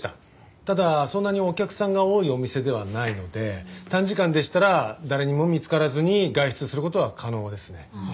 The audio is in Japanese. ただそんなにお客さんが多いお店ではないので短時間でしたら誰にも見つからずに外出する事は可能ですね。